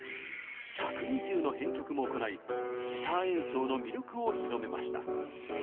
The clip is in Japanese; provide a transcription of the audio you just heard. １２０の編曲も行いギター演奏の魅力を広めました。